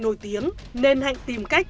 nổi tiếng nên hạnh tìm cách